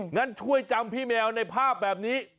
งั้นช่วยจำพี่แมวในภาพแบบนี้